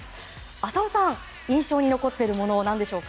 浅尾さん、印象に残っているもの何でしょうか。